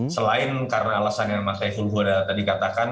selain karena alasan yang mas hei fulhura tadi katakan